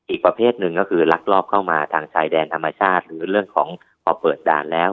อีกประเภทหนึ่งก็คือลักลอบเข้ามาทางชายแดนธรรมชาติหรือเรื่องของพอเปิดด่านแล้ว